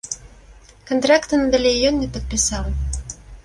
Кантракта надалей ён не падпісаў.